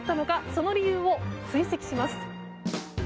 その理由を追跡します。